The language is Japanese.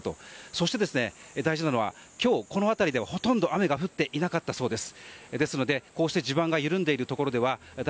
そして、大事なのは今日、この辺りではほとんど雨が降っていなかったそうです。